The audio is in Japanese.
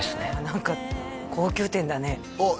何か高級店だねあっ